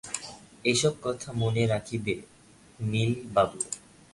এ-সব কথা মনে রাখিবেন নলিনবাবু।